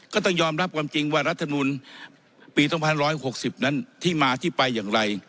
ก็ต้องยอมรับความจริงว่ารัฐมนุนปี๒๑๖๐นั้นที่มาที่ไปอย่างไร